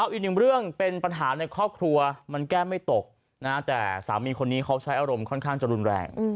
อีกหนึ่งเรื่องเป็นปัญหาในครอบครัวมันแก้ไม่ตกแต่สามีคนนี้เขาใช้อารมณ์ค่อนข้างจะรุนแรง